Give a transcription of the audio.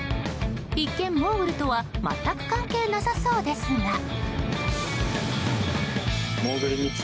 一見モーグルとは全く関係なさそうですが。